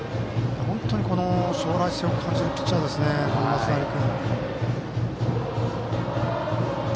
本当に将来性を感じるピッチャーですよね、松成君。